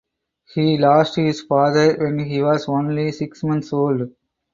He lost his father when he was only six months old.